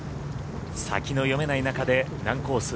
先の読めない中で難コース